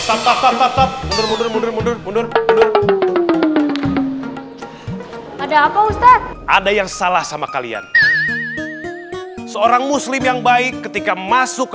ada apa ustadz ada yang salah sama kalian seorang muslim yang baik ketika masuk ke